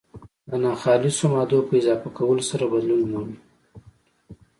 د ناخالصو مادو په اضافه کولو سره بدلون مومي.